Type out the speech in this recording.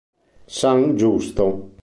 San Giusto